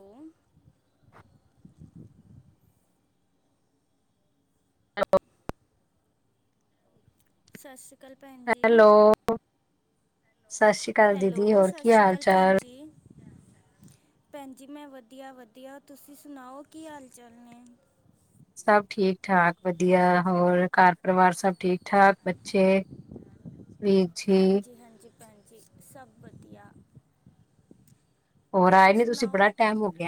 ਕੌਣ [unintelligible] ਹੈਲੋ, ਸਤਿ ਸ਼੍ਰੀ ਅਕਾਲ ਭੈਣ ਜੀ। ਉਹ। ਹੈਲੋ, ਹੋਰ ਸਤਿ ਕੀ ਸ੍ਰੀ ਹਾਲ ਅਕਾਲ ਭੈਣ ਚਾਲ? ਜੀ। ਭੈਣ ਜੀ ਮੈਂ ਵਧੀਆ ਵਧੀਆ, ਤੁਸੀਂ ਸੁਣਾਓ ਕੀ ਹਾਲ- ਚਾਲ ਨੇ। ਸਭ ਠੀਕ- ਠਾਕ ਵਧੀਆ ਹੋਰ, ਘਰ ਪਰਿਵਾਰ ਸਭ ਠੀਕ- ਠਾਕ ਬੱਚੇ। ਵੀਰ ਜੀ, ਹਾਂਜੀ- ਹਾਂਜੀ, ਭੈਣ ਜੀ ਸਭ ਵਧੀਆ। ਹੋਰ ਆਏ ਨੀ ਤੁਸੀਂ ਬੜਾ ਟੈਮ ਹੋਗ।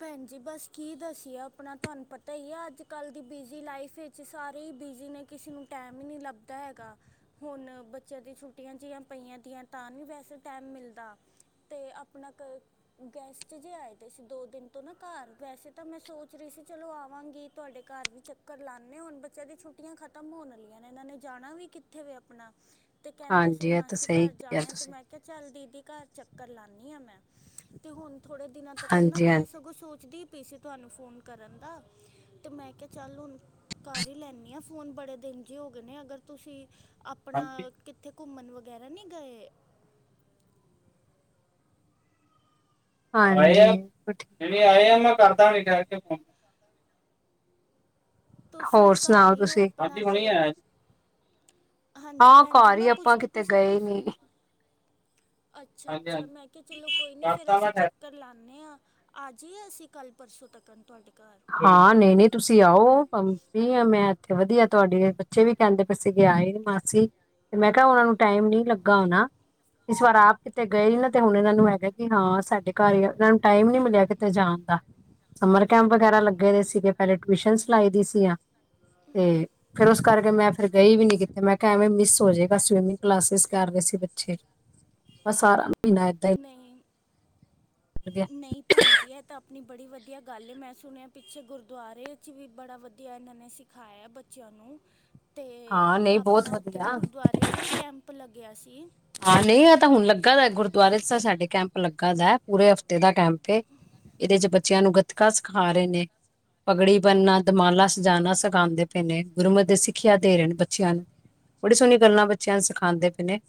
ਭੈਣ ਜੀ ਬਸ ਕੀ ਦਸੀਏ, ਆਪਣਾ ਤੁਹਾਨੂੰ ਪਤਾ ਹੀ ਹੈ ਅੱਜ ਕੱਲ੍ਹ ਦੀ ਬਿਜ਼ੀ ਲਾਈਫ ਏ ਵਿਚ ਸਾਰੇ ਹੀ ਬਿਜ਼ੀ, ਨੇ ਕਿਸੇ ਨੂੰ ਟਾਈਮ ਹੀ ਨਹੀਂ ਲੱਭਦਾ ਹੈਗਾ। ਹੁਣ ਬੱਚਿਆਂ ਦੀਆਂ, ਛੁੱਟੀਆਂ ਜਿਹੀਆਂ ਪਈਆਂ ਦੀਆਂ ਤਾਂ ਨਹੀਂ ਵੈਸੇ ਟੈਮ ਮਿਲਦਾ। ਅਤੇ ਆਪਣਾ ਕ ਗੈਸਟ ਚ ਜੇਹੇ ਆਏ ਤੇ ਸੀ ਦੋ। ਦਿਨ ਤੋਂ ਨਾ ਘਰ ਵੈਸੇ ਤਾਂ ਮੈਂ ਸੋਚ ਰਹੀ ਸੀ, ਚਲੋ ਆਵਾਂਗੀ ਤੁਹਾਡੇ ਘਰ ਵੀ ਚੱਕਰ ਲਾਉਂਦੇ, ਹੁਣ ਬੱਚਿਆਂ ਦੀ ਛੁ। ਛੁੱਟੀਆਂ ਖਤਮ ਹੋਣੀਆਂ ਨੇ ਇਹਨਾਂ ਨੇ ਜਾਣਾ ਵੀ ਕਿੱਥੇ ਵ ਆਪਣਾ। ਤੇ ਕਹਿੰਦੇ ਸੀ ਹਾਂਜੀ ਇਹ ਤਾਂ ਮਾਸੀ ਸਹੀ ਘਰ ਕਿਹਾ ਜਾਣਾ ਤੇ ਤੁਸੀਂ। ਮੈਂ। ਚੱਲ ਦੀਦੀ ਘਰ ਚੱਕਰ ਲਾਦੀ ਹਾਂ, ਮੈਂ ਤੇ ਹੁਣ ਥੋੜੇ ਦਿਨਾਂ ਤੱਕ ਨਾ ਹਾਂਜੀ ਮੈਂ। ਹਾਂਜੀ, ਸਗੋਂ ਸੋਚਦੀ ਪਈ ਸੀ, ਤੁਹਾਨੂੰ ਫੋਨ ਕਰਨ ਦਾ। ਤੇ ਮੈਂ ਕਿਹਾ ਚੱਲ ਹੁਣ ਕਰ ਹੀ ਲੈਣੀ ਆ, ਫੋਨ ਬੜੇ ਦਿਨ ਜ ਹੋ ਗਏ ਨੇ ਅਗਰ ਤੁਸੀਂ। ਆਪਣਾ ਹਾਂਜੀ। ਕਿੱਥੇ ਘੁੰਮਣ ਵਗੈਰਾ ਨਹੀਂ ਗਏ। ਹੁਨੇ ਆ ਆਇਆ ਮੈਂ ਕਰਦਾ ਹੁਨੇ ਠੈਰ ਕੇ ਫੋਨ। ਤੁਸੀਂ ਹੋਰ ਘਰ ਸੁਣਾਓ ਹੀ ਹੋ ਤੁਸੀਂ? ਆਪਣਾ ਹਾਂਜੀ ਹੁਣੇ ਤੇਰੇ। ਆਇਆ ਜੀ। ਹਾਂਜੀ, ਹਾਂ ਭੈਣ ਜੀ ਘਰ ਹੀ ਮੈਂ ਆਪਾਂ ਪੁੱਛਦੀ, ਕਿਤੇ ਪਈ ਸੀ ਗਏ ਤੁਸੀਂ। ਨੀ। ਅੱਛਾ- ਹਾਂਜੀ ਅੱਛਾ ਹਾਂਜੀ, ਮੈਂ ਕਿਹਾ ਚਲੋ ਕੋਈ, ਨੀ ਫੇਰ ਕਰਤਾ ਮੈਂ ਅਸੀਂ ਠਹਿਰ ਚੱਕਰ ਲਾਦੇ ਹਾਂ। ਆ ਜੀਏ ਅਸੀਂ ਕੱਲ੍ਹ ਪਰਸੋਂ ਤੱਕਣ ਨੂੰ ਤੁਹਾਡੇ ਘਰ। ਹਾਂ ਨਹੀਂ- ਨਹੀਂ ਤੁਸੀਂ ਆਓ, ਮੈਂ ਇੱਥੇ ਵਧੀਆ ਤੁਹਾਡੇ ਬੱਚੇ ਵੀ ਕਹਿੰਦੇ। ਫ ਸੀਗੇ ਆਏ ਨੀ ਮਾਸੀ ਤੇ ਮੈਂ ਕਿਹਾ ਉਹਨਾ ਨੂੰ ਟਾਈਮ ਨੀ ਲੱਗਾ ਹੋਣਾ। ਇਸ ਵਾਰ ਆਪ ਕਿਤੇ ਗਏ ਨਾ। ਤੇ ਹੁਣ ਇਹਨਾਂ ਨੂੰ ਹੈਗਾ, ਕਿ ਹਾਂ ਸਾਡੇ ਘਰ ਹੀ ਇਹਨਾਂ ਨੂੰ ਟਾਈਮ ਨੀ ਮਿਲਿਆ ਕਿਤੇ ਜਾਣ ਦਾ ਸਮਰ ਕੈਂਪ। ਵਗੈਰਾ ਲੱਗੇ ਦੇ ਸੀਗੇ ਪੈਲੇ ਟਿਊਸ਼ਨਾਂ ਲਾਈ ਦੀ ਸੀਆਂ ਤੇ। ਫੇਿਰ ਉਸ ਕਰਕੇ ਮੈਂ ਫਿਰ ਗਈ ਵੀ ਨੀ ਕਿੱਥੇ, ਮੈਂ ਕਿਹਾ ਐਵੇਂ ਮਿਸ ਹੋ ਜਾਏਗਾ, ਸਵੀਮਿੰਗ ਕਲਾਸਿਸ ਕਰ ਰਹੇ ਸੀ ਬੱਚੇ। ਬ ਸਾਰਾ ਮਹੀਨਾ ਐਦਾ ਈ। ਨਹੀਂ- ਨਹੀਂ। ਭੈਣ ਜੀ ਇਹ ਤਾਂ ਆਪਣੀ ਬੜੀ ਵਧੀਆ, ਗੱਲ ਮੈਂ ਸੁਣਿਆ, ਪਿੱਛੇ ਗੁਰਦੁਆਰੇ ਚ ਵੀ ਬੜਾ ਵਧੀਆ ਇਹਨਾਂ ਨੇ ਸਿੱਖ। ਸਿਖਾਇਆ ਬੱਚਿਆਂ ਨੂੰ‌। ਤੇ ਹਾਂ ਨਹੀਂ ਬਹੁਤ ਆਪਣਾ ਉੱਥੇ ਵੀ ਵਧੀਆ ਗੁਰਦੁਆਰੇ ਚ ਵੀ ਕੈਂਪ ਲੱਗਿਆ ਸੀ। ਹਾਂ ਨਹੀਂ ਇਹ ਤਾਂ ਹੁਣ ਲੱਗਾ, ਦਾ ਗੁਰਦੁਆਰੇ ਤਾਂ ਸਾਡੇ ਕੈਂਪ ਲੱਗਾ ਦਾ ਪੂਰੇ ਹਫ਼ਤੇ ਦਾ ਕੈਂਪ। ਇਹਦੇ ਚ ਬੱਚਿਆਂ ਨੂੰ ਗੱਤਕਾ ਸਿਖਾ ਰਹੇ ਨੇ। ਪਗੜੀ ਬਣਨਾ ਦਿਮਾਲਾ ਸਜਾਉਣਾ ਸਖਾਉਂਦੇ ਪਏ, ਨੇ ਗੁਰਮਤ ਦੇ ਸਿੱਖਿਆ ਦੇ ਰਹੇ ਨੇ ਬੱਚਿਆਂ ਨੂੰ। ਬੜੀ ਸੋਹਣੀ ਗੱਲਾਂ ਬੱਚਿਆਂ ਨੂੰ ਸਿਖਾਂਦੇ ਪਏ ਨੇ।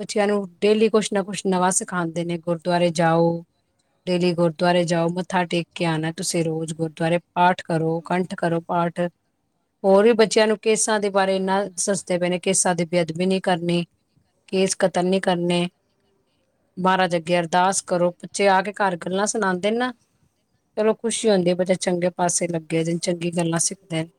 ਬੱਚਿਆਂ ਨੂੰ ਡੇਲੀ ਕੁਛ ਨਾ ਕੁਛ ਨਵਾਂ ਸਿਖਾਂਦੇ ਨੇ ਗੁਰਦੁਆਰੇ ਜਾਓ। ਡੇਲੀ ਗੁਰਦੁਆਰੇ ਜਾਓ ਮੱਥਾ ਟੇਕ, ਕੇ ਆਉਣਾ ਤੁਸੀਂ ਰੋਜ਼ ਗੁਰਦੁਆਰੇ ਪਾਠ ਕਰੋ ਕੰਠ ਕਰੋ। ਪਾਠ। ਹੋਰ ਵੀ ਬੱਚਿਆਂ ਨੂੰ ਕੇਸਾਂ ਦੇ ਬਾਰੇ, ਇਨਾ ਦੱਸਦੇ ਪਏ ਨੇ ਕੇਸਾਂ ਦੀ ਬੇਅਦਬੀ ਵੀ ਨਹੀਂ ਕਰਨੀ। ਕੇਸ ਕਤਲ ਨਹੀਂ ਕਰਨੇ। ਮਾਹਾਰਾਜ ਅੱਗੇ ਅਰਦਾਸ ਕਰੋ, ਬੱਚੇ ਆ ਕੇ ਘਰ ਗੱਲਾਂ ਸੁਣਾਂਦੇ ਨਾ। ਚਲੋ ਖੁਸ਼ੀ ਹੁੰਦੀ ਬੱਚਾ ਚੰਗੇ, ਪਾਸੇ ਲੱਗੇ ਦੇਨ ਚੰਗੀ ਗੱਲਾਂ ਸਿੱਖਦੇ ਨੇ।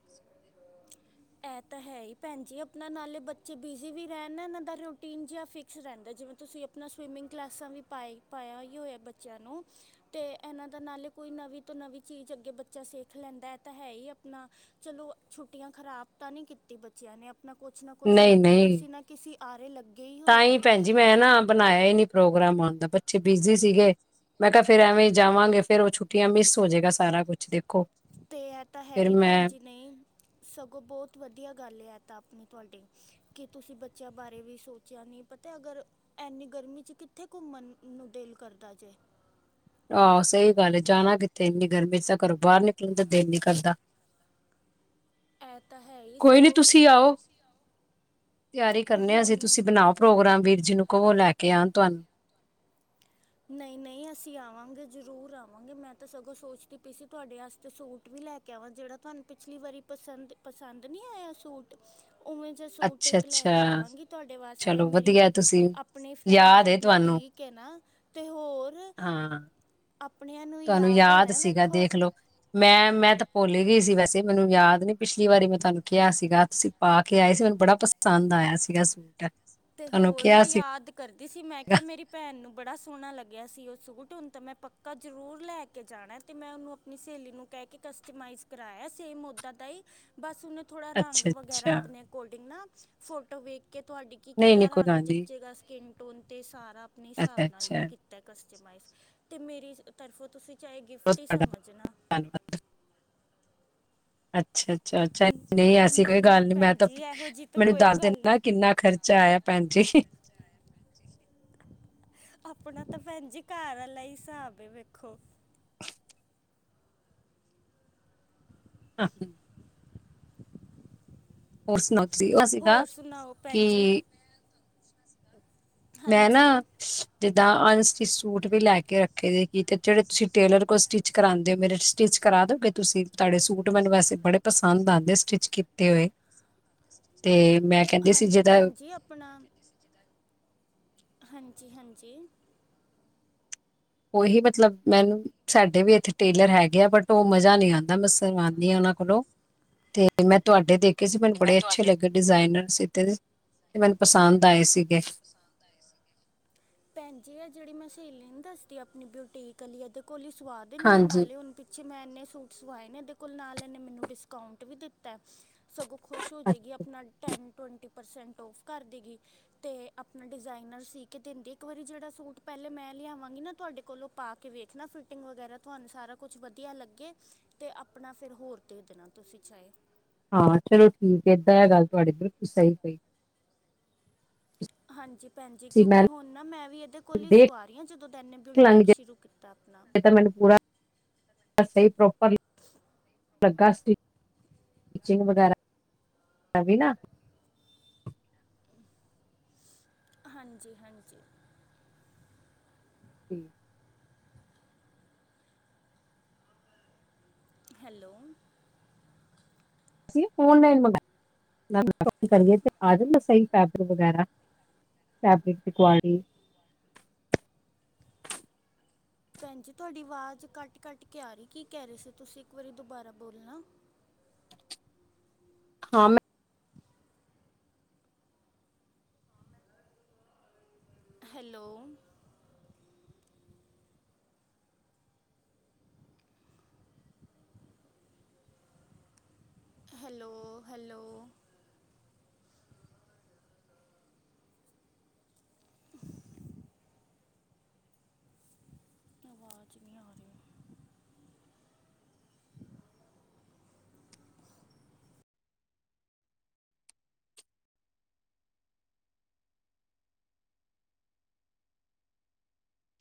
ਇਹ ਤਾਂ ਹੈ ਹੀ ਭੈਣ ਜੀ ਆਪਣਾ ਨਾਲੇ ਬੱਚੇ ਬਿਜ਼ੀ ਵੀ ਰਹਿਣ, ਨਾ ਇਹਨਾਂ ਦਾ ਰੂਟੀਨ ਜਿਹਾ ਫਿਕ। ਕੁਛ ਰਹਿੰਦਾ ਜਿਵੇਂ ਤੁਸੀਂ ਆਪਣਾ ਸਵੀਮਿੰਗ, ਕਲਾਸਾਂ ਵੀ ਪਾਏ ਪਾਇਆ ਹੀ ਹੋਇਆ ਬੱਚਿਆਂ ਨੂੰ। ਅਤੇ ਇਹਨਾਂ ਦਾ ਨਾਲੇ, ਕੋਈ ਨਵੀਂ ਤੋਂ ਨਵੀਂ ਚੀਜ਼ ਅੱਗੇ ਬੱਚਾ ਸਿੱਖ ਲੈਂਦਾ ਹੈ ਤਾਂ ਹੈ ਹੀ ਆਪਣਾ। ਚਲੋ ਛੁੱਟੀਆਂ ਖਰਾਬ- ਤਾਂ ਨੀ ਕੀਤੀ ਬੱਚਿਆਂ ਨੇ ਆਪਣਾ ਕੁਛ ਨਾ ਕੁਛ ਨਹੀਂ ਨਾ ਨਹੀਂ ਕਿਸੇ ਨਾ ਕਿਸੇ ਆਰੇ ਲੱਗੇ ਹੀ ਹੋਏ ਤਾਂ ਨੇ- ਭੈਣ ਜੀ ਮੈਂ ਨਾ ਬਣਾਇਆ ਹੀ ਨੀ ਪ੍ਰੋਗਰਾਮ ਆਉਣ ਦਾ ਬੱਚੇ ਬਿਜੀ ਸੀਗੇ ਮੈ ਕਿਹਾ ਫੇਰ ਐਵੇ ਜਾਵਾਗੇ ਫੇਰ ਉਹ ਛੁ- ਛੁਟੀਆਂ ਮਿਸ ਹੋ ਜਾਏਗਾ ਸਾਰਾ ਕੁਛ ਦੇਖੋ ਫਿਰ ਮੈ- ਨਹੀ- ਸਗੋ ਬਹੁਤ ਵਧੀਆ ਗੱਲ ਹੈ ਐ। ਤਾਂ ਆਪਣੀ ਤੁਹਾਡੀ- ਕਿ ਤੁਸੀ ਬੱਚਿਆਂ ਬਾਰੇ ਵੀ ਸੋਚਿਆ ਨਹੀ ਪਤਾ ਅਗਰ- ਐਨੀ ਗਰਮੀ 'ਚ ਕਿੱਥੇ ਘੁੰਮਣ ਨੂੰ ਦਿਲ ਕਰਦਾ ਜੇ- ਆਹ ਸਹੀ ਗੱਲ ਹੈ। ਜਾਣਾ ਕਿਥੇ ਇਨੀ ਗਰਮੀ ਤਾਂ ਘਰੋ ਬਾਹਰ ਨਿਕਲਣ ਦਾ ਦਿਲ ਨੀ ਕਰਦਾ- ਇਹ ਤਾਂ ਹੈ ਹੀ ਕੋਈ ਨੀ ਸਗੋਂ ਤੁਸੀ ਆਓ- ਤਿਆਰੀ ਕਰਨੇ ਆ ਅਸੀ ਹੁਣ ਤੁਸੀ ਬਣਾਓ ਪ੍ਰੋਗਰਾਮ ਵੀਰ ਜੀ ਨੂੰ ਕਵੋ ਲੈ ਕੇ ਆਉਣ ਤੁਹਾਨੂੰ- ਨਹੀ- ਨਹੀ ਅਸੀ ਆਵਾਂਗੇ ਜਰੂਰ ਆਵਾਂਗੇ ਮੈ ਤਾਂ ਸਗੋ ਸੋਚਦੀ ਪਈ ਸੀ ਤੁਹਾਡੇ ਵਸਤੇ ਸੂਟ ਵੀ ਲੈ ਕੇ- ਕਿਓਂ ਜਿਹੜਾ ਤੁਹਾਨੂੰ ਪਿਛਲੀ ਵਾਰੀ ਪਸੰਦ- ਪਸੰਦ ਨਹੀ ਆਇਆ ਸੂਟ ਉਵੇ- ਸੂਟ ਅੱਛਾ ਇਕ ਲੈਕੇ ਅੱਛਾ ਆਵਾਂਗੀ ਤੁਹਾਡੇ ਵਾਸਤੇ ਚਲੋ ਮੇਰੀ- ਵਧੀਆ ਤੁਸੀਂ ਆਪਣੀ ਫਰੈਂਡ ਯਾਦ ਦਾ ਹੈ ਤੁਹਾਨੂੰ ਬਿਊਟੀਕ ਹੈ। ਨਾ ਅਤੇ ਹੋਰ- ਹਾਂ ਆਪਣਿਆਂ ਨੂੰ ਯਾਦ ਹੋਣਾ ਵੇਖੋ। ਮੈ- ਮੈ ਤਾਂ ਪੋਲ ਗਈ ਸੀ। ਵੈਸੇ ਮੈਨੂੰ ਯਾਦ ਨੀ ਪਿਛਲੀ ਵਾਰੀ ਮੈ ਤੁਹਾਨੂੰ ਕਿਹਾ ਸੀਗਾ ਤੁਸੀ ਪਾਕੇ ਆਏ ਸੀ। ਮੈਨੂੰ ਬੜਾ ਪਸੰਦ ਆਇਆ ਸੀਗਾ ਸੂਟ ਤੇ ਤੁਹਾਨੂੰ ਹੋਰ ਕਿਹਾ ਮੈਂ ਸੀ। ਯਾਦ ਕਰਦੀ ਸੀ। ਮੈ ਕਿਹਾ ਮੇਰੀ ਭੈਣ ਨੂੰ ਬੜਾ ਸੋਹਣਾ ਲਗਿਆ ਸੀ। ਉਹ ਸੂਟ ਹੁਣ ਤਾਂ ਮੈ ਪੱਕਾ ਜਰੂਰ ਲੈਕੇ ਕੇ ਜਾਣਾ ਤੇ ਮੈ ਉਹਨੂੰ ਆਪਣੀ ਸਹੇਲੀ ਨੂੰ ਕਹਿ ਕੇ ਕਸਟਮਾਈਜ਼ ਕਰਾਆ ਸੇਮ ਉਦ ਦਾ ਹੀ ਬਸ ਉਹਨੇ ਥੋੜ੍ਹਾ ਰੰਗ ਅੱਛਾ ਵਗੈਰਾ ਅੱਛਾ ਆਪਣੇ ਅਕੋਡਿੰਗ ਨਾ ਫੋਟੋ ਵੇਖ ਕੇ ਤੁਹਾਡੀ ਕਿ ਨਹੀਂ ਕਿਹੜਾ ਨਹੀਂ ਕੋਈ ਰੰਗ ਗੱਲ ਨਹੀਂ ਜਚੇਗਾ ਸਕਿਨ ਟੋਨ 'ਤੇ ਸਾਰਾ ਆਪਣੇ ਹਿਸਾਬ ਅੱਛਾ ਨਾਲ ਅੱਛਾ ਤਾ ਕਸਟਮਾਈਜ਼ ਅਤੇ ਮੇਰੀ ਤਰਫੋ ਤੁਸੀ ਚਾਹੇ ਬਹੁਤ ਗਿਫਟ ਹੀ ਤੁਹਾਡਾ ਸਮਝਣਾ ਧੰਨਵਾਦ ਅੱਛਾ ਅੱਛਾ ਅੱਛਾ ਨਹੀ ਐਸੀ ਕੋਈ ਨਹੀਂ ਨਹੀਂ ਗੱਲ ਨੀ ਮੈ ਭੈਣ ਤਾਂ ਜੀ ਇਹੋ ਜੀ ਤਾਂ ਮੈਨੂੰ ਕੋਈ ਦੱਸ ਗੱਲ ਦਿੰਦਾ ਨਹੀਂ ਕਿੰਨਾ ਖ਼ਰਚਾ ਖ਼ਰਚਾ ਆਇਆ ਭੈਣ ਜੀ। ਆਪਣਾ ਤਾਂ ਭੈਣ ਜੀ ਘਰ ਵਾਲਾ ਹੀ ਹਿਸਾਬ ਏ ਵੇਖੋ। [inaudible] ਹੋਰ ਸੁਣਾਓ ਤੁਸੀ ਬਸ ਹੋਰ ਸੁਣਾਓ ਭੈਣ ਜੀ ਮੈ ਨਾ ਹਾਂਜੀ ਜਿਦਾ ਅਨਸਟਿਚ ਸੂਟ ਵੀ ਲੈ ਕੇ ਰੱਖੇ ਸੀ। ਕਿਤੇ ਜਿਹੜੇ ਤੁਸੀ ਟੇਲਰ ਕੋਲ ਸਟਿਚ ਕਰਾਉਦੇ ਹੋ ਮੇਰੇ ਸਟਿਚ ਕਰਾ ਦੋਗੇ ਤੁਸੀ ਤੁਹਾਡੇ ਸੂਟ ਮੈਨੂੰ ਵੈਸੇ ਬੜੇ ਪਸੰਦ ਆਉਦੇ ਸਟਿਚ ਕੀਤੇ ਹੋਏ। [inaudible] ਤੇ ਮੈ ਹਾਂਜੀ ਭੈਣ ਜੀ ਆਪਣਾ ਹਾਂਜੀ -ਹਾਂਜੀ ਉਹੀ ਮਤਲਬ ਮੈਨੂੰ ਸਾਡੇ ਵੀ ਇਥੇ ਟੇਲਰ ਹੈਗੇ ਆ ਬਟ ਉਹ ਮਜ਼ਾ ਨਹੀ ਆਉਦਾ ਮੈ ਸੁਵਾਉਦੀ ਹਾਂ ਉਹਨਾ ਕੋਲੋ [inaudible] ਤੇ ਮੈ ਤੁਹਾਡੇ ਦੇਖੇ ਸੀ। ਮੈਨੂੰ ਬੜੇ ਅਛੇ ਲਗੇ ਡਿਜ਼ਾਇਨਰ ਸੀਤੇ ਤੇ ਮੈਨੂੰ ਪਸੰਦ ਆਏ ਸੀਗੇ। ਭੈਣ ਜੀ ਆ ਜਿਹੜੀ ਮੈ ਸਹੇਲੀ ਨੀ ਦਸਦੀ ਆਪਣੀ ਬੁਟੀਕ ਵਾਲੀ ਇਹਦੇ ਕੋਲ ਸਵਾ ਦੇਦੀ ਆ ਹਾਂਜੀ ਨਾਲੇ ਹੁਣ ਜੇ ਮੈ ਇਨੇ ਸੂਟ ਸਵਾਏ ਨੇ ਇਹਦੇ ਕੋਲ ਨਾਲ ਇਹਨੇ ਮੈਨੂੰ ਡਿਸਕਾਊਟ ਵੀ ਦਿਤਾ। ਸਗੋ ਖੁਸ਼ ਹੋ ਅੱਛਾ, ਜਾਵੇਗੀ ਆਪਣਾ ਟੈਂਟ ਟਵੈਂਟੀ ਪਰਸੈਂਟ ਔਫ ਕਰ ਦੇ ਗ ਤੇ ਆਪਣਾ ਡਿਜ਼ਾਇਨਰ ਸੀ ਕੇ ਦਿੰਦੀ ਇਕ ਵਾਰੀ ਜਿਹੜਾ ਸੂਟ ਪਹਿਲੇ ਮੈ ਲਿਆਵਾਂਗੀ ਨਾ ਤੁਹਾਡੇ ਕੋਲੋ ਪਾ ਕੇ ਵੇਖਣਾ ਫਿਟਿੰਗ ਵਗੈਰਾ ਤੁਹਾਨੂੰ ਸਾਰਾ ਕੁੱਛ ਵਧੀਆ ਲਗੇ ਤੇ ਆਪਣਾ ਫਿਰ ਹੋਰ ਦੇ ਦੇਣਾ ਤੁਸੀ ਚਾਹੇ ਹਾਂ ਚਲੋ ਠੀਕ ਏ ਗੱਲ ਤੁਹਾਡੀ ਬਿਲਕੁਲ ਸਹੀ ਕਈ ਹਾਂਜੀ ਭੈਣ ਜੀ ਸੀ ਮੈਂ ਕਿਉਕਿ ਹੁਣ ਨਾ ਮੈ ਵੀ ਇਹਦੇ ਕੋਲ ਹੀ ਦੇਖ ਸਵਾ ਰਹੀ ਹਾਂ। ਜਦੋ ਦਾ ਈਨੇ ਬੂਟੀਕ ਸ਼ੁਰੂ ਕੀਤਾ ਆਪਣਾ ਇਹ ਤਾਂ ਮੈਨੂੰ ਪੂਰਾ ਸਹੀ ਪ੍ਰੋਪਰ ਲਗਾ ਸੀ। ਫਿਟਿੰਗ ਵਗੈਰਾ, ਹੈਗੀ ਈ ਨਾ ਹਾਂਜੀ-ਹਾਂਜੀ। [unintelligible] ਹੈਲੋ। ਅਸੀਂ ਔਨਲਾਈਨ ਮੰਗਵਾਇਆ। ਤੇ ਆ ਜਾਂਦਾ ਸਹੀ ਫੈਬਰਿਕ ਵਗ਼ੈਰਾ ਫੈਬਰਿਕ ਦੀ ਕੁਆਲਟੀ ਭੈਣ ਜੀ ਤੁਹਾਡੀ ਆਵਾਜ਼ ਕੱਟ-ਕੱਟ ਕੇ ਆ ਰਹੀ। ਕੀ ਕਹਿ ਰਹੇ ਸੀ। ਤੁਸੀਂ ਇੱਕ ਵਾਰੀ ਦੁਬਾਰਾ ਬੋਲਣਾ ਹਾਂ ਮੈਂ ਹੈਲੋ [inaudible] ਹੈਲੋ-ਹੈਲੋ। [unintelligible] ਆਵਾਜ਼ ਨਹੀਂ ਆ ਰਹੀ